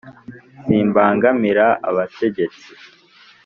Simbangamira abategetsi.